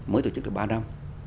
mới tổ chức được ba năm